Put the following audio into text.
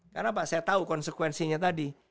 karena mbak saya tahu konsekuensinya tadi